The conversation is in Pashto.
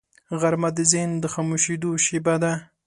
غرمه د ذهن د خاموشیدو شیبه ده